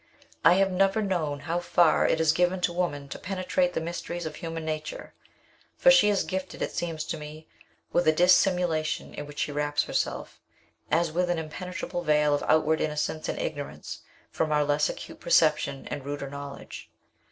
I have never known how far it is given to woman to penetrate the mysteries of human nature, for she is gifted, it seems to me, with a dissimulation in which she wraps herself, as with an impenetrable veil of outward innocence, and ignorance, from our less acute perception and ruder knowledge.